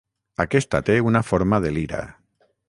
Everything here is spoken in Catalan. Aquesta té una forma de lira.